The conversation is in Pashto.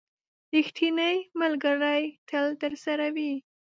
• ریښتینی ملګری تل درسره وي.